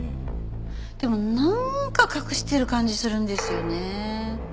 でもなんか隠してる感じするんですよね。